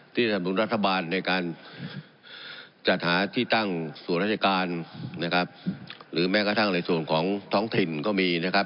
สนับสนุนรัฐบาลในการจัดหาที่ตั้งส่วนราชการนะครับหรือแม้กระทั่งในส่วนของท้องถิ่นก็มีนะครับ